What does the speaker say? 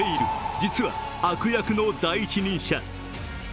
実は悪役の第一人者。